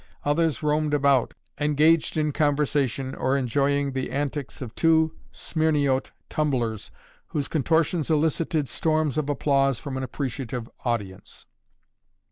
Others roamed about, engaged in conversation or enjoying the antics of two Smyrniote tumblers, whose contortions elicited storms of applause from an appreciative audience.